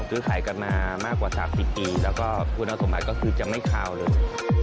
ซื้อขายกันมามากกว่า๓๐ปีแล้วก็คุณสมบัติก็คือจะไม่คาวเลย